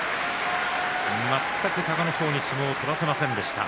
全く隆の勝に相撲を取らせませんでした。